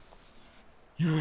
よし！